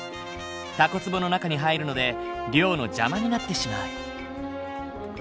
タコつぼの中に入るので漁の邪魔になってしまう。